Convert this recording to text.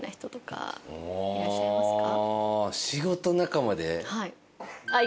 仕事仲間で？